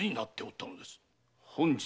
本日？